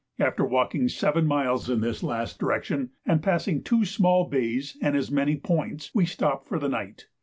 After walking seven miles in this last direction, and passing two small bays and as many points, we stopped for the night.